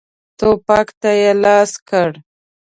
ټوپک ته یې لاس کړ.